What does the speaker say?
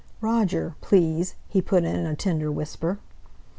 "Roger, please!" he put in, in a tender whisper.